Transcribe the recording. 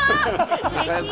うれしい！